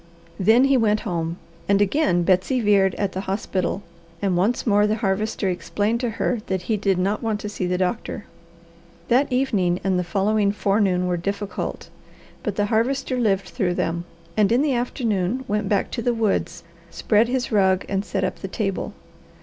Then he went home; and again Betsy veered at the hospital, and once more the Harvester explained to her that he did not want to see the doctor. That evening and the following forenoon were difficult, but the Harvester lived through them, and in the afternoon went back to the woods, spread his rug, and set up the table.